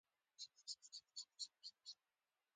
اوښ په غلبېل نه درنېږي متل د پټولو ناشونیتوب ښيي